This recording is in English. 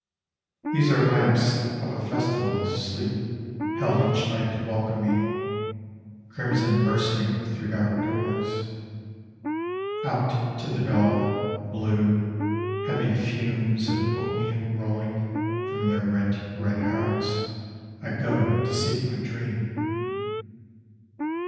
These are lamps of a festival of sleep held each night to welcome me, Crimson bursting through dark doors. Out to the dull, blue, heavy fumes of opium rolling From their rent red hearts, I go to seek my dream.